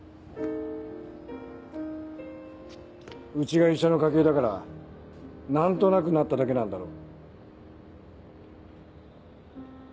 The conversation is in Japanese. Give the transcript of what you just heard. うちが医者の家系だから何となくなっただけなんだろ。